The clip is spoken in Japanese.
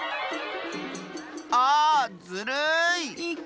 ああずるい！